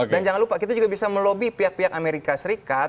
dan jangan lupa kita juga bisa melobi pihak pihak amerika serikat